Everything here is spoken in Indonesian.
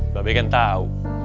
mbak be kan tahu